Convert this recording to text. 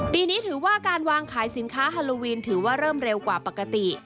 ปีนี้ถือว่าการวางขายสินค้าฮาโลวีนถือว่าเริ่มเร็วกว่าปกติ